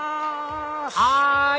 はい！